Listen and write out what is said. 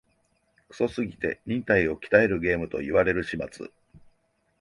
クソすぎて忍耐を鍛えるゲームと言われる始末